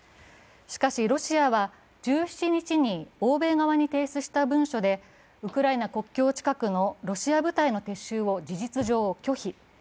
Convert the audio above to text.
しかしロシアは１７日に欧米側に提出した文書でウクライナ国境近くのロシア部隊の撤収を事実上拒否。